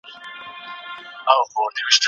هر څوک ښه کولای سي خو موږ نه .